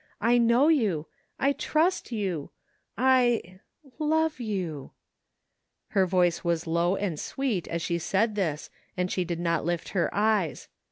I know you, I trust you — ^I — love — you! " Her voice was low and sweet as she said this and she did not lift her eyes.